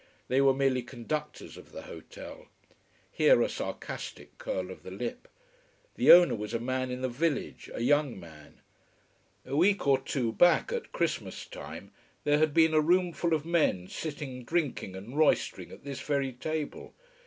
They were merely conductors of the hotel: here a sarcastic curl of the lip. The owner was a man in the village a young man. A week or two back, at Christmas time, there had been a roomful of men sitting drinking and roistering at this very table.